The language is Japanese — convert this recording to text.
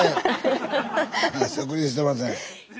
植林してません。